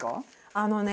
あのね